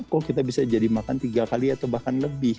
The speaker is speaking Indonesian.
kok kita bisa jadi makan tiga kali atau bahkan lebih